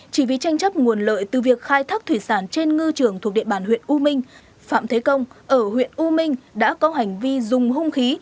chỉ vì tranh chấp nguồn lợi từ việc khai thác thủy sản trên ngư trường thuộc địa bàn huyện u minh phạm thế công ở huyện u minh đã có hành vi dùng hung khí